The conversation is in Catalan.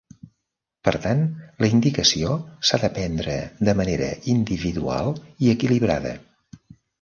Per tant, la indicació s'ha de prendre de manera individual i equilibrada.